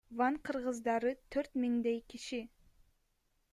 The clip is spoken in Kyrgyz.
Ван кыргыздары төрт миңдей киши.